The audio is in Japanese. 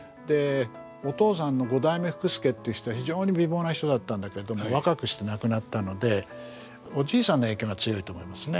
お父さんの五代目福助っていう人は非常に美貌な人だったんだけども若くして亡くなったのでおじいさんの影響が強いと思いますね。